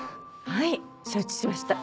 はい承知しました。